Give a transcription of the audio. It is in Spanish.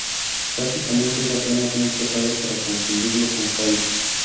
Básicamente, es apenas muy pesado para confundirlo con Cairo.